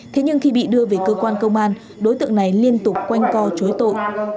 thế nhưng khi bị đưa về cơ quan công an đối tượng này liên tục quanh co chối tội